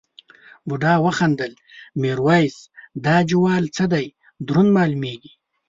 بوډا وخندل میرويس دا جوال څه دی دروند مالومېږي.